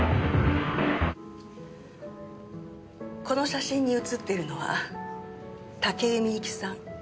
この写真に写ってるのは武井美由紀さん